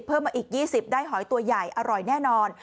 เพิ่มมาอีก๒๐ได้หอยตัวใหญ่อร่อยแน่นอน